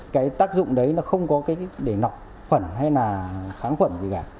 cái tác dụng đấy không có để nọc khuẩn hay là kháng khuẩn gì cả